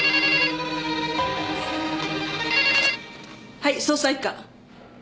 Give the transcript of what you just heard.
はい捜査一課。